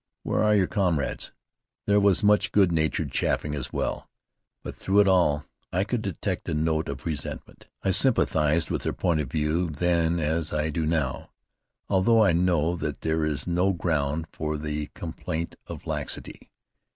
Where are your comrades?" There was much good natured chaffing as well, but through it all I could detect a note of resentment. I sympathized with their point of view then as I do now, although I know that there is no ground for the complaint of laxity.